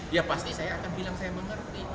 ya pasti saya akan bilang saya mengerti